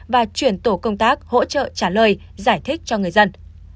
và chuyển tổ công tác hỗ trợ trả lời giải thích cho người dân